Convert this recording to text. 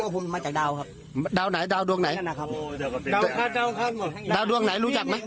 ผมมาจากดาวครับดาวไหนดาวดวงไหนดาวค่ะดาวค่ะดาวค่ะดาวดวงไหนรู้จักไหม